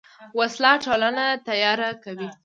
وسله ټولنه تیاره کوي